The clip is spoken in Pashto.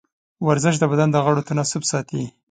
ورزش د بدن د غړو تناسب ساتي.